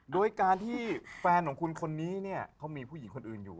โดยการที่แฟนของคุณคนนี้เนี่ยเขามีผู้หญิงคนอื่นอยู่